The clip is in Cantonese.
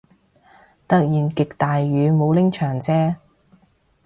突然極大雨，冇拎長遮